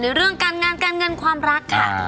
เรื่องการงานการเงินความรักค่ะ